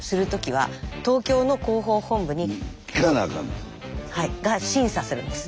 はいが審査するんです。